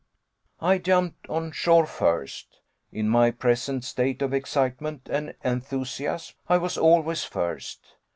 I jumped on shore first. In my present state of excitement and enthusiasm, I was always first.